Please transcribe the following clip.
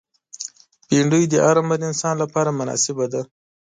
بېنډۍ د هر عمر انسان لپاره مناسبه ده